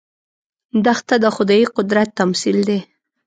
دښته د خدايي قدرت تمثیل دی.